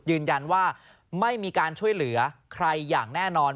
ยืนยันว่าไม่มีการช่วยเหลือใครอย่างแน่นอน